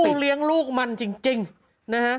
เลี้ยงลูกมันจริงนะฮะ